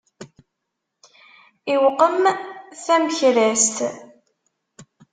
Iwqem tamekrast.